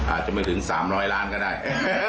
อาจจะไม่ถึง๓๐๐ล้านก็ได้